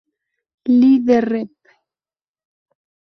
Ii de Rep.